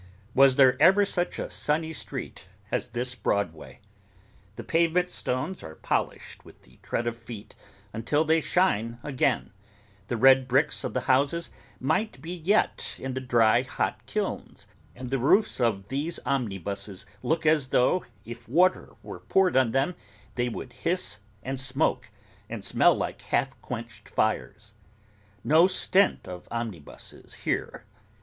Was there ever such a sunny street as this Broadway! The pavement stones are polished with the tread of feet until they shine again; the red bricks of the houses might be yet in the dry, hot kilns; and the roofs of those omnibuses look as though, if water were poured on them, they would hiss and smoke, and smell like half quenched fires. No stint of omnibuses here!